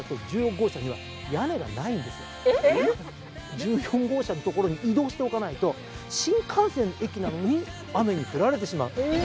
１４号車の所に移動しておかないと新幹線の駅なのに雨に降られてしまう。